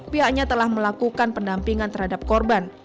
pihaknya telah melakukan pendampingan terhadap korban